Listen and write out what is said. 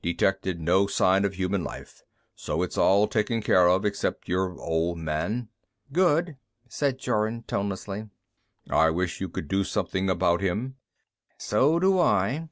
"Detected no sign of human life. So it's all taken care of, except your old man." "Good," said Jorun tonelessly. "I wish you could do something about him." "So do I."